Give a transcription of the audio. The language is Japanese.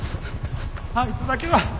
あいつだけは。